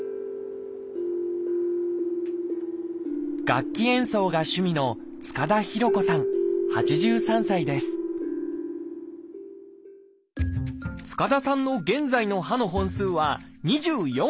楽器演奏が趣味の塚田さんの現在の歯の本数は２４本。